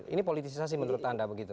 ini politisasi menurut anda begitu